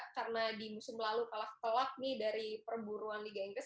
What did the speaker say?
karena di musim lalu telak telak nih dari perburuan liga inggris